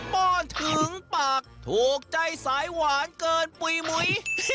ป้อนถึงปากถูกใจสายหวานเกินปุ๋ยหมุย